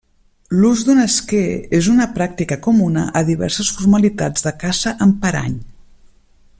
L'ús d'un esquer és una pràctica comuna a diverses formalitats de caça amb parany.